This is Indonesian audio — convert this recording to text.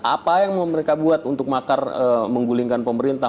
apa yang mau mereka buat untuk makar menggulingkan pemerintah